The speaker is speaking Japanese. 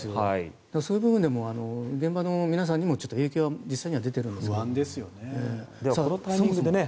そういう意味でも現場の皆さんにも影響が実際に出てるんですね。